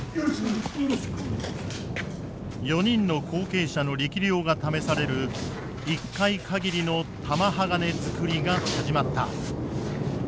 ４人の後継者の力量が試される一回かぎりの玉鋼づくりが始まった。